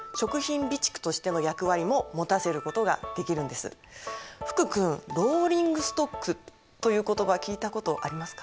そして福君ローリングストックという言葉聞いたことありますか？